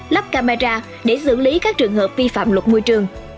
lắp camera để xử lý các trường hợp vi phạm luật môi trường